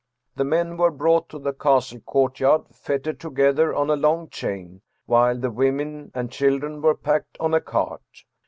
The men were brought to the castle courtyard, fettered together on a long chain, while the women and children were packed on a cart.